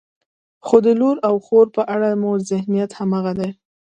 خو د لور او خور په اړه مو ذهنیت همغه دی.